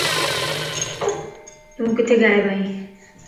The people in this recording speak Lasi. تو ڪٿي غائب ائين؟